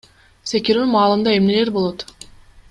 Секирүү маалында эмнелер болот?